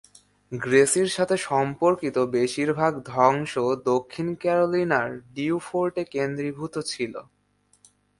গ্রেসির সাথে সম্পর্কিত বেশিরভাগ ধ্বংস দক্ষিণ ক্যারোলিনার বিউফোর্টে কেন্দ্রীভূত ছিল।